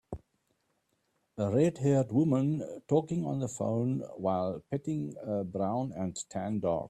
A redhaired woman talking on the phone while petting a brown and tan dog.